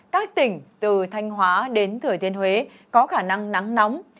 các tỉnh từ thanh hóa đến thừa thiên huế có khả năng nắng nóng